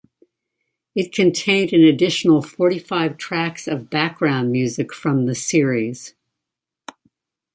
It contained an additional forty-five tracks of background music from the series.